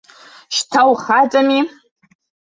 Шьҭа ухаҵами.